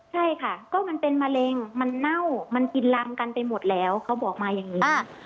ใช่ค่ะก็มันเป็นมะเร็งมันเน่ามันกินลำกันไปหมดแล้วเขาบอกมาอย่างนี้